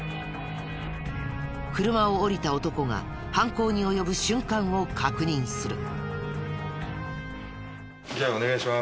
車を降りた男が犯行に及ぶ瞬間を確認する。